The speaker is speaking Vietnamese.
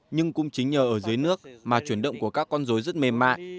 nhưng cũng chính nhờ ở dưới nước mà chuyển động của các con dối rất mềm mại